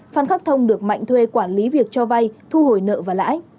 phan khắc thông được mạnh thuê quản lý việc cho vay thu hồi nợ và lãi